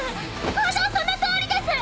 ホントそのとおりです！